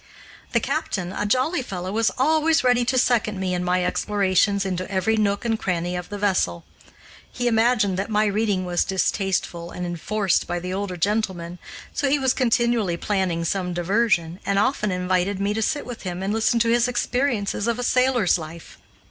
The captain, a jolly fellow, was always ready to second me in my explorations into every nook and cranny of the vessel. He imagined that my reading was distasteful and enforced by the older gentlemen, so he was continually planning some diversion, and often invited me to sit with him and listen to his experiences of a sailor's life.